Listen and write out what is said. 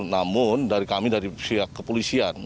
namun dari kami dari pihak kepolisian